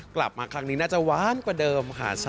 กลับมาครั้งนี้น่าจะว้านกว่าเดิมค่ะ